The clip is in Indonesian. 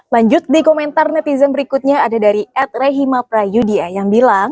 lanjut di komentar netizen berikutnya ada dari adrehimaprayudia yang bilang